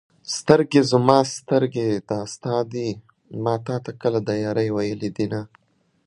سترګې زما سترګې دا ستا دي ما تا ته کله د يارۍ ویلي دینه